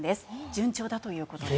順調だということです。